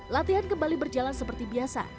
latihan kembali berjalan seperti biasa